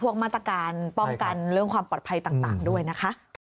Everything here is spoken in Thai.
มาตรการป้องกันเรื่องความปลอดภัยต่างด้วยนะคะ